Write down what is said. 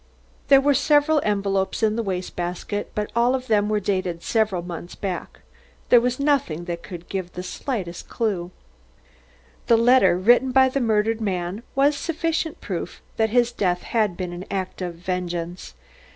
There were several envelopes in the waste basket, but all of them were dated several months back. There was nothing that could give the slightest clue. The letter written by the murdered man was sufficient proof that his death had been an act of vengeance.